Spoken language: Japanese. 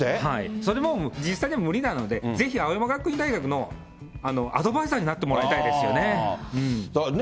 それはもう、実際には無理なので、ぜひ青山学院大学のアドバイザーになってもらいたいですよね。